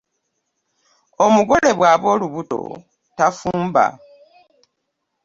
Omugole bw’aba olubuto tafumba.